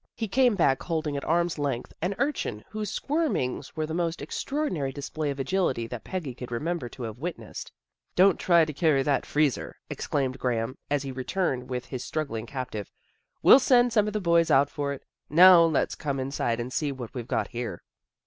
He came back holding at arm's length an urchin whose squirmings were the most extraordinary display of agility that Peggy could remember to have witnessed. " Don't try to carry that freezer," exclaimed Graham, as he returned with his struggling captive. " We'll send some of the boys out for it. And now let's come inside and see what we've got here."